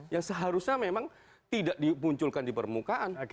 yang seharusnya memang tidak dimunculkan di permukaan